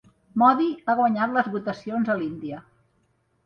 Modi ha guanyat les votacions a l'Índia